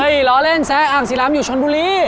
ล้อเล่นแซะอ่างศิลามอยู่ชนบุรี